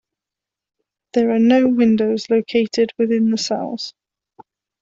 There are no windows located within the cells.